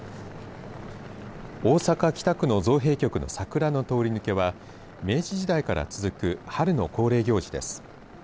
大阪北区の造幣局の桜の通り抜けは明治時代から続く春の恒例行事です。